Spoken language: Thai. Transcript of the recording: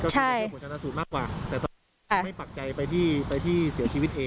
ก็คือเกี่ยวกับผู้ชนะสูตรมากกว่าแต่ตอนนี้ไม่ปักใจไปที่เสียชีวิตเอง